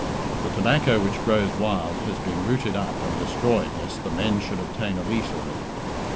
The tobacco which grows wild has been rooted up and destroyed lest the men should obtain a leaf of it.